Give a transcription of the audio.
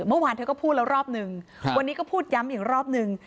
เมื่อวานเธอก็พูดแล้วรอบนึงวันนี้ก็พูดย้ำอีกรอบนึง